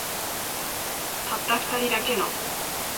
たった二人だけの